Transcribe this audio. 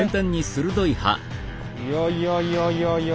いやいやいやいやいや。